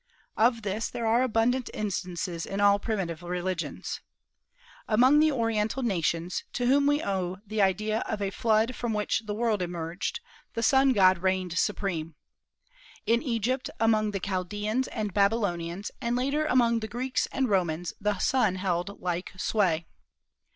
Of this there are abundant instances in all primitive religions. Among the Oriental nations, to whom we owe the idea of a flood from which the world emerged, the Sun god reigned supreme. In Egypt, among the Chaldeans and Babylonians and later among the Greeks and Romans the Sun held like sway.